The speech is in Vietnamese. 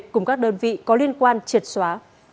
cùng các đơn vị có liên quan triệt xóa